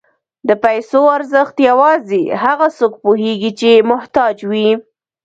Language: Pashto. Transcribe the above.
د پیسو ارزښت یوازې هغه څوک پوهېږي چې محتاج وي.